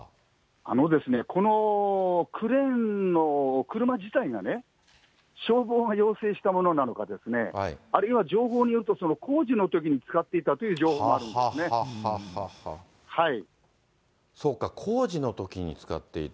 あのですね、このクレーンの車自体がね、消防が要請したものなのか、あるいは情報によると、工事のときに使っていたという情そうか、工事のときに使っていた。